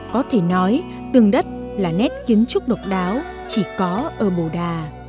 có thể nói tường đất là nét kiến trúc độc đáo chỉ có ở bồ đà